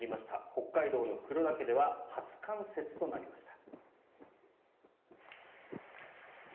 北海道の黒岳では初冠雪となりました。